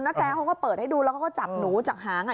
แตเขาก็เปิดให้ดูแล้วเขาก็จับหนูจากหางอ่ะ